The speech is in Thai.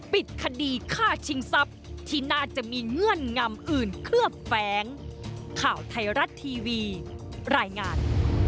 ปิดคดีฆ่าชิงทรัพย์ที่น่าจะมีเงื่อนงำอื่นเคลือบแฟ้งข่าวไทยรัฐทีวีรายงาน